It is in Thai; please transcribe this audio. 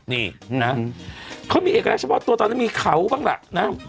นี่นะเขามีเอกลักษณ์เฉพาะตัวตอนนั้นมีเขาบ้างล่ะนะ